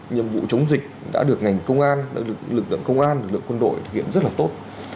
nhiệm vụ chống dịch đã được ngành công an lực lượng công an lực lượng quân đội thực hiện rất là tốt